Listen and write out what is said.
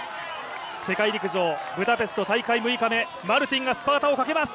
世界陸上ブダペスト大会６日目マルティンがスパートをかけます。